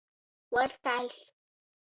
Vuorkaļs.